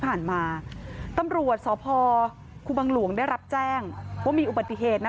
ที่ผ่านมาตำรวจสพครูบังหลวงได้รับแจ้งว่ามีอุบัติเหตุนะ